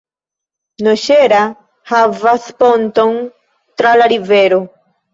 Noŝera havas ponton tra la rivero.